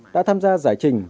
đã tham gia giải trình